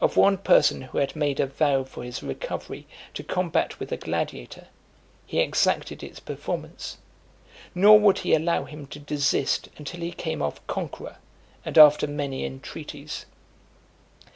Of one person who had made a vow for his recovery to combat with a gladiator, he exacted its performance; nor would he allow him to desist until he came off conqueror, and after many entreaties.